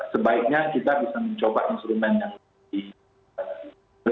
sebaiknya kita bisa mencoba instrumen yang lebih